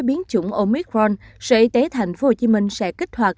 trường hợp phải ứng phó với biến chủng omicron sự y tế thành phố hồ chí minh sẽ kích hoạt